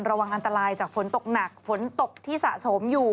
ระวังอันตรายจากฝนตกหนักฝนตกที่สะสมอยู่